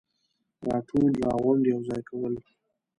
راټول ، راغونډ ، يوځاي کول,